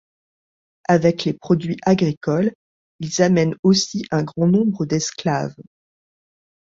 Avec les produits agricoles ils amènent aussi un grand nombre d'esclaves.